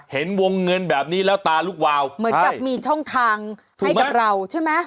เห็นวงเงินแบบนี้แล้วตาลุกวาวเหมือนกับมีช่องทางให้กับเราใช่ไหม